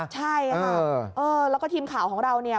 ใช่ค่ะแล้วก็ทีมข่าวของเราเนี่ย